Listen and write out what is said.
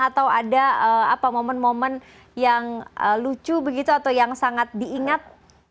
atau ada momen momen yang lucu begitu atau yang sangat diingat